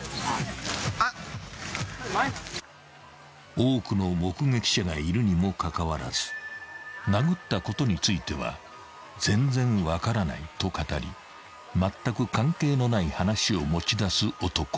［多くの目撃者がいるにもかかわらず殴ったことについては「全然分からない」と語りまったく関係のない話を持ち出す男］